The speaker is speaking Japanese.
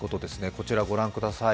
こちらご覧ください